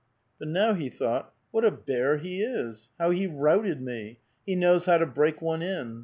But now he thought, "What a bear he is! how he routed me! He knows how to break one in."